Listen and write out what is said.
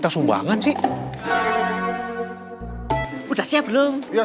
jauh lagi kayak map deh